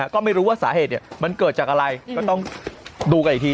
ก็ไม่รู้ว่าสาเหตุมันเกิดจากอะไรก็ต้องดูกันอีกที